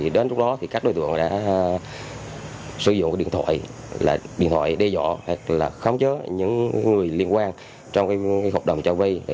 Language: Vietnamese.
đến lúc đó các đối tượng đã sử dụng điện thoại điện thoại đe dọa khám chứa những người liên quan trong hợp đồng cho vây